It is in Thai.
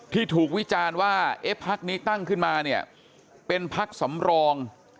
ที่ถูกวิจารณ์ว่าเอ๊ะพักนี้ตั้งขึ้นมาเนี่ยเป็นพักสำรอง